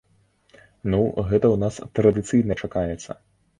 Ну, гэта ў нас традыцыйна чакаецца.